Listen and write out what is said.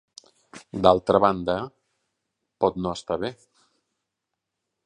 D'altra banda, pot no estar bé.